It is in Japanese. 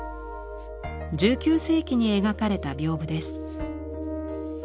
１９世紀に描かれた屏風です。